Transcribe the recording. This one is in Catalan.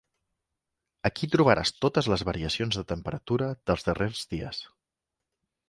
Aquí trobaràs totes les variacions de temperatura dels darrers dies.